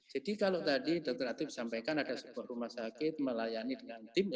jadi kalau tadi dokter aktif sampaikan ada sebuah rumah sakit melayani dengan tim